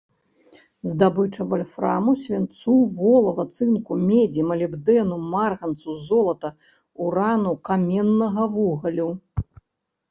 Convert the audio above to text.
Здабыча вальфраму, свінцу, волава, цынку, медзі, малібдэну, марганцу, золата, урану, каменнага вугалю.